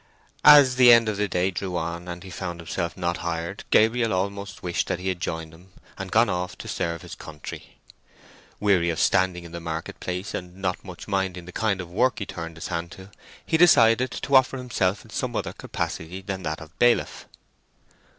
As the end of the day drew on, and he found himself not hired, Gabriel almost wished that he had joined them, and gone off to serve his country. Weary of standing in the market place, and not much minding the kind of work he turned his hand to, he decided to offer himself in some other capacity than that of bailiff.